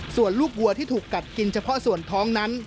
ส่วนลูกวัวที่ถูกกัดกินเฉพาะส่วนท้องนั้น